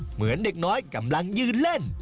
เหมือนเด็กน้อยกำลังยืนเล่น